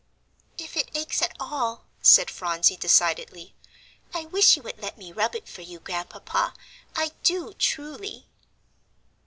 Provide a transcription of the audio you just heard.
"If it aches at all," said Phronsie, decidedly, "I wish you would let me rub it for you, Grandpapa. I do, truly."